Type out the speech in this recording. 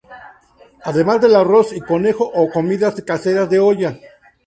Además, del arroz y conejo o comidas caseras de olla.